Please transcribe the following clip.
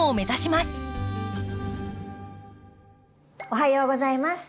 おはようございます。